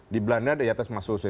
di belanda ada diatas mas jose